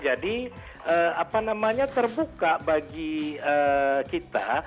jadi apa namanya terbuka bagi kita